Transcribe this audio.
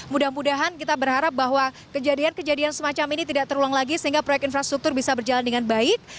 mudah mudahan kita berharap bahwa kejadian kejadian semacam ini tidak terulang lagi sehingga proyek infrastruktur bisa berjalan dengan baik